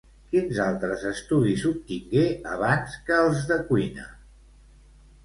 Quins altres estudis obtingué abans que els de cuina?